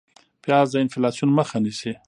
پیاز د انفلاسیون مخه نیسي